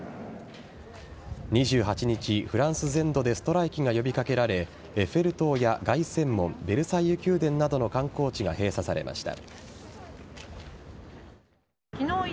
２８日フランス全土でストライキが呼び掛けられエッフェル塔や凱旋門ベルサイユ宮殿などの観光地が閉鎖されました。